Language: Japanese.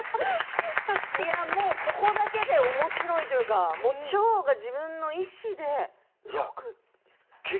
ここだけでおもしろいというか腸が自分の意志で動くんですね。